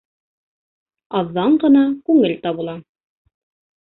Аҙҙан ғына күңел табыла.